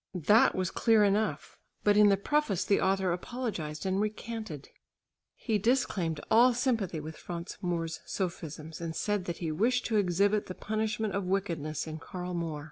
That was clear enough! But in the preface the author apologised and recanted. He disclaimed all sympathy with Franz Moor's sophisms and said that he wished to exhibit the punishment of wickedness in Karl Moor.